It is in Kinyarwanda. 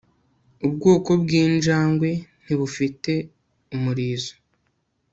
ubwoko bw'injangwe ntibufite umurizo